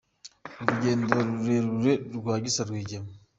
Urugendo rurerure rwa Gisa Rwigema